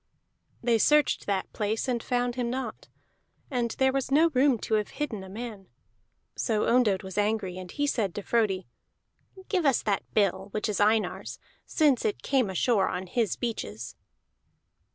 They searched that place and found him not, and there was no room to have hidden a man. So Ondott was angry, and he said to Frodi: "Give us that bill, which is Einar's, since it came ashore on his beaches."